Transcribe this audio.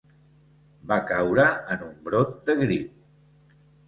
Va caure en un brot de grip.